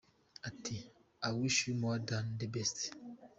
Ati “I wish you more than the best’.